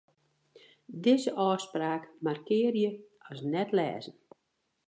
Dizze ôfspraak markearje as net-lêzen.